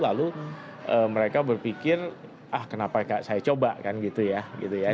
lalu mereka berpikir ah kenapa saya coba kan gitu ya gitu ya